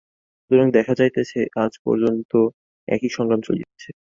সুতরাং দেখা যাইতেছে, আজ পর্যন্ত একই সংগ্রাম চলিতেছে।